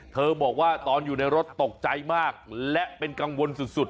บอกว่าตอนอยู่ในรถตกใจมากและเป็นกังวลสุด